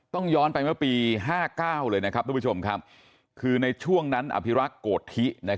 ต้องย้อนไปมาปี๑๙๕๙เลยนะครับทุกผู้ชมคือในช่วงนั้นอภิรักษ์โกธิ